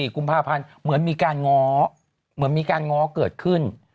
กุมภาพันธ์เหมือนมีการง้อเหมือนมีการง้อเกิดขึ้น